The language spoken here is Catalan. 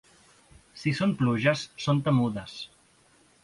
Si són pluges són temudes.